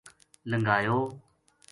لنگھایو